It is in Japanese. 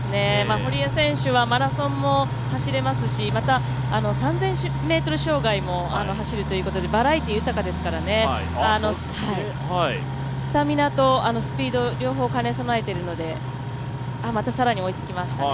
堀江選手はマラソンも走れますし、また３０００ｍ障害も走るということでバラエティー豊かですからね、スタミナとスピード両方兼ね備えているのでまた更に追いつきましたね。